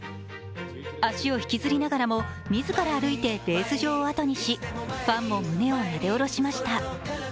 足を引きずりながらも、自ら歩いてレース場をあとにし、ファンも胸をなで下ろしました。